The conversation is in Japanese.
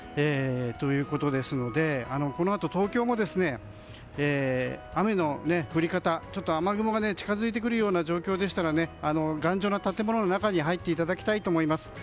このあと、東京も雨の降り方雨雲が近づいてくるような状況でしたら頑丈な建物の中に入っていただきたいと思います。